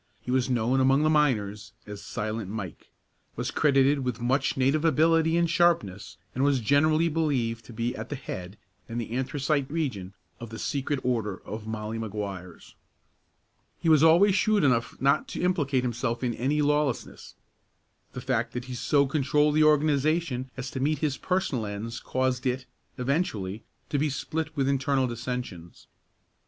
He was known among the miners as "Silent Mike," was credited with much native ability and sharpness, and was generally believed to be at the head, in the anthracite region, of the secret order of Molly Maguires. He was always shrewd enough not to implicate himself in any lawlessness. The fact that he so controlled the organization as to meet his personal ends caused it, eventually, to be split with internal dissensions.